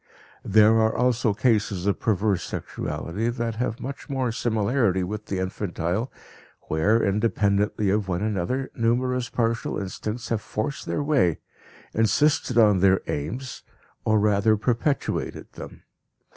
There are also cases of perverse sexuality that have much more similarity with the infantile, where, independently of one another, numerous partial instincts have forced their way, insisted on their aims, or rather perpetuated them.